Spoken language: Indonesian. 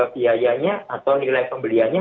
biayanya atau nilai pembeliannya